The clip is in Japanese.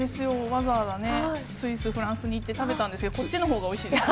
わざわざね、スイス、フランスに行って食べたんですけど、こっちのほうがおいしいです。